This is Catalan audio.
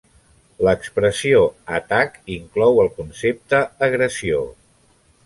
L'expressió "atac" inclou el concepte "agressió".